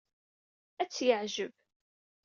Ad tt-yeɛjeb.